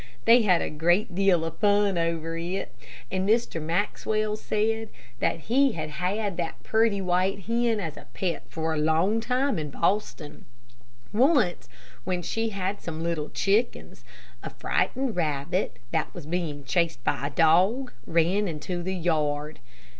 They had a great deal of fun over it, and Mr. Maxwell said that he had had that pretty, white hen as a pet for a long time in Boston. Once when she ha$ some little chickens, a frightened rabbit, that was being chased by a dog, ran into the yard.